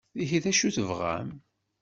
Ihi d acu i tebɣam?